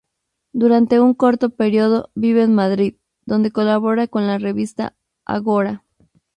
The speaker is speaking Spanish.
Durante un corto periodo vive en Madrid, donde colabora con la revista Ágora.